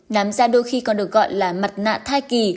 nám ra đôi khi còn được gọi là mặt nạ thai kỳ